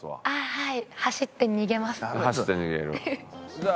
はい。